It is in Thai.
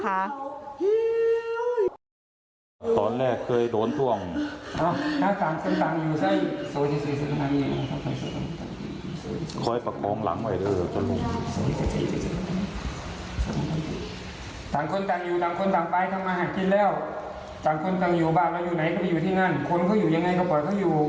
บางคนตั้งอยู่บ้านเราอยู่ไหนก็ไปอยู่ที่นั่นคนเขาอยู่ยังไงก็ปล่อยเขาอยู่